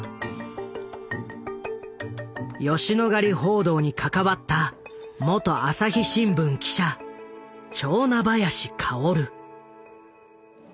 吉野ヶ里報道に関わったもと朝日新聞記者蝶名林薫。